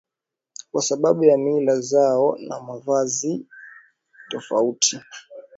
Kwa sababu ya mila zao na mavazi tofauti